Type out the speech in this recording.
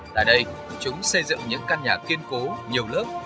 tại đây chúng xây dựng những căn nhà kiên cố nhiều lớp